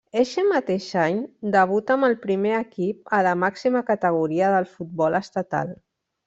Eixe mateix any debuta amb el primer equip a la màxima categoria del futbol estatal.